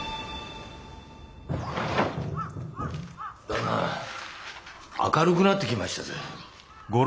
旦那明るくなってきましたぜ。